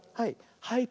はい。